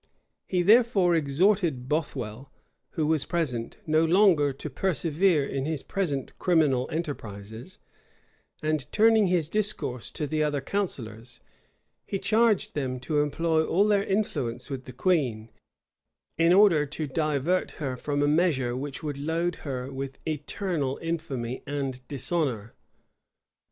He therefore exhorted Bothwell, who was present, no longer to persevere in his present criminal enterprises; and turning his discourse to the other counsellors, he charged them to employ all their influence with the queen, in order to divert her from a measure which would load her with eternal infamy and dishonor.